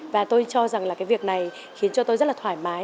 và tôi cho rằng là cái việc này khiến cho tôi rất là thoải mái